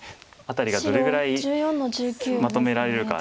辺りがどれぐらいまとめられるか。